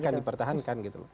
akan dipertahankan gitu